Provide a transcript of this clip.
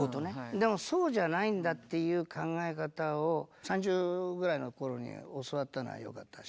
でもそうじゃないんだっていう考え方を３０ぐらいの頃に教わったのはよかったです。